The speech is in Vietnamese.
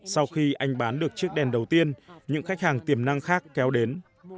sau khi anh bán được chiếc đèn đầu tiên những khách hàng tiềm năng khác kéo đến